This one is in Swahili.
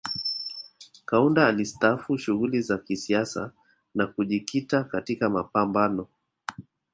Kaunda alistaafu shughuli za kisiasa na kujikita katika mapambano